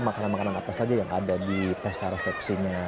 makanan makanan apa saja yang ada di pesta resepsinya